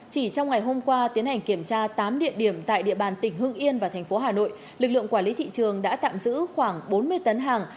chỉ trong ngày hôm qua tiến hành kiểm tra tám địa điểm tại địa bàn tỉnh hưng yên và thành phố hà nội lực lượng quản lý thị trường đã tạm giữ khoảng bốn mươi tấn hàng